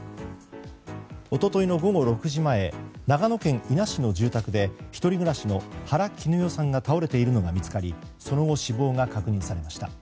一昨日の午後６時前長野県伊那市の住宅で１人暮らしの原貴努代さんが倒れているのが見つかりその後、死亡が確認されました。